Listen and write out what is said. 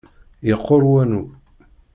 Yeqqur wanu.